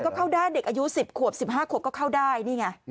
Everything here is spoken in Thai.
ก็เข้าได้เด็กอายุ๑๐ขวบ๑๕ขวบก็เข้าได้